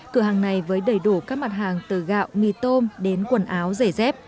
cửa hàng này với đầy đủ các mặt hàng từ gạo mì tôm đến quần áo giày dép